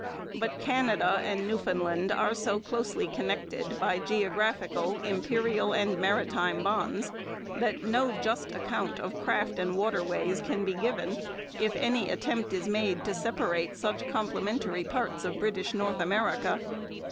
But Canada and Newfoundland are so closely connected by geographical, imperial, and maritime bonds that no just account of craft and waterways can be given if any attempt is made to separate such complementary parts of British North America.